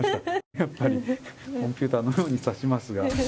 やっぱりコンピューターのように指しますが。